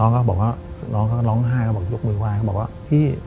ก็บอกว่าน้องก็ร้องไห้เขาบอกยกมือไห้เขาบอกว่าพี่